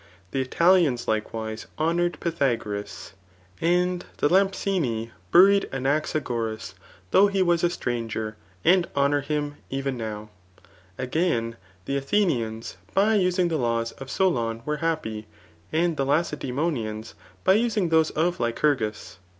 The Italians likewise CHAP« XXIV. RHETORIC. 183 honoured Pythagoras; and the Lampsaceni buried Anax9goras though he was a stranger, and honour him even now* Again, the Athenians by using the laws of Sol<m were happy; and the Lacedaemonians by using those of Lycurgus.